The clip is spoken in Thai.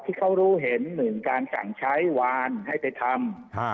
ที่เขารู้เห็นหนึ่งการสั่งใช้วานให้ไปทำ